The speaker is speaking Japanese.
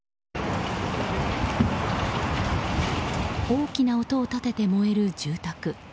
大きな音を立てて燃える住宅。